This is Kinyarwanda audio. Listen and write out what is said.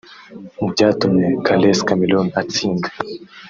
Mu byatumye Caressa Cameron atsinda